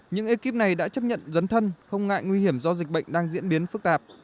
những ekip này đã chấp nhận dấn thân không ngại nguy hiểm do dịch bệnh đang diễn biến phức tạp